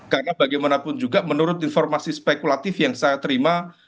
karena bagaimanapun juga menurut informasi spekulatif yang saya terima